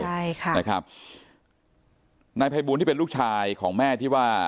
ใช่ค่ะนะครับนายภัยบูลที่เป็นลูกชายของแม่ที่ว่า